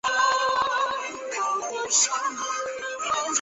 适应症包含妊娠高血压以及。